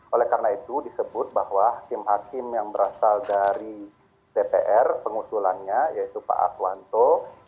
oleh karena itu disebut bahwa tim hakim yang berasal dari dpr pengusulannya yaitu pak aswanto